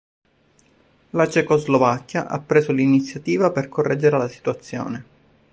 La Cecoslovacchia ha preso l'iniziativa per correggere la situazione.